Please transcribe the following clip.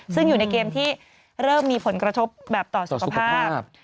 ซึ่งอยู่ในเกมที่เริ่มมีผลกระทบแบบต่อสุขภาพ